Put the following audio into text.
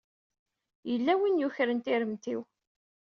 Yella win i yukren tiremt-iw.